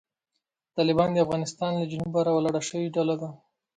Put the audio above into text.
طالبان د افغانستان له جنوبه راولاړه شوې ډله ده.